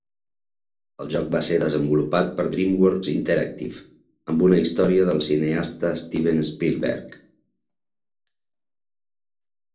El joc va ser desenvolupat per DreamWorks Interactive, amb una història del cineasta Steven Spielberg.